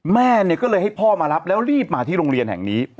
แม่เนี่ยก็เลยให้พ่อมารับแล้วรีบมาที่โรงเรียนแห่งนี้